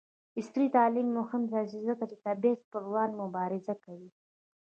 عصري تعلیم مهم دی ځکه چې د تبعیض پر وړاندې مبارزه کوي.